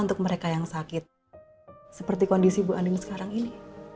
untuk mereka yang sakit seperti kondisi bu aning sekarang ini